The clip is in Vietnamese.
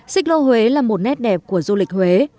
xích lô huế là một nét đẹp của du lịch huế